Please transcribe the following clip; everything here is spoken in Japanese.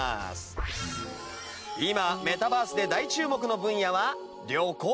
今メタバースで大注目の分野は。